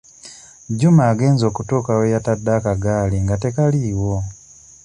Juma agenze okutuuka we yatadde akagaali nga tekaliiwo.